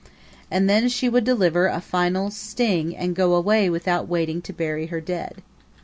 And then she would deliver a final sting and go away without waiting to bury her dead.